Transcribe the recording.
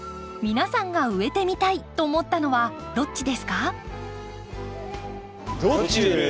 皆さんが植えてみたいと思ったのはどっちですか？